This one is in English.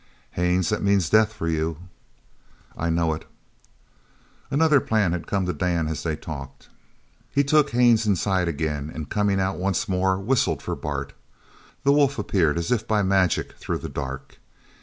"Haines, that means death for you." "I know it." Another plan had come to Dan as they talked. He took Haines inside again and coming out once more, whistled for Bart. The wolf appeared as if by magic through the dark.